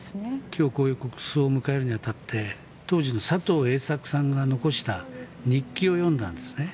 今日、国葬を迎えるに当たって当時の佐藤栄作さんが残した日記を読んだんですね。